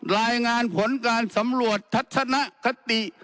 รายงานผลการสำรวจทัศนคติ